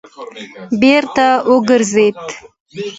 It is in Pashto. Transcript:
بېرته وګرځېد.